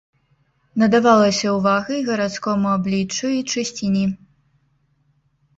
Надавалася ўвага і гарадскому абліччу і чысціні.